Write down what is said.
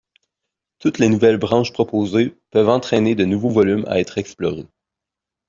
Toutes les nouvelles branches proposées peuvent entraîner de nouveaux volumes à être explorés.